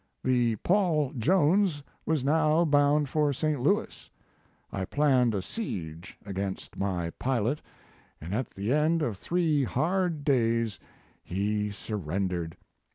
The Paul Jones was now bound for St. Louis. I planned a siege against my pilot, and at the end of three hard days he surrendered.